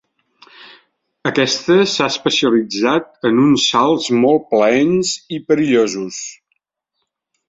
Aquesta s'ha especialitat en uns salts molt plaents i perillosos.